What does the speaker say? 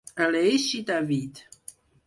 Aleix i David.